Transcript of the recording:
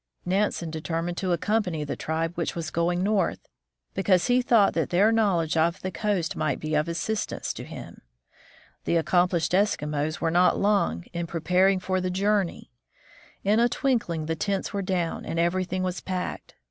Nansen determined to accompany the tribe which was going north, because he thought that their knowledge of the coast might be of assistance to him. The accomplished Eskimos were not long in preparing Il6 THE FROZEN NORTH for the journey. In a twinkling the tents were down and everything was packed.